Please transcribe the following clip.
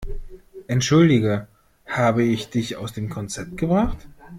Entschuldige, habe ich dich aus dem Konzept gebracht?